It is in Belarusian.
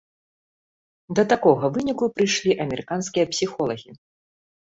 Да такога выніку прыйшлі амерыканскія псіхолагі.